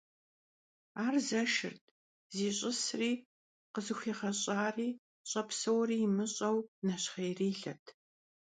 Ар зэшырт, зищӀысри, къызыхуигъэщӀари, щӀэпсэури имыщӀэу, нэщхъеирилэт.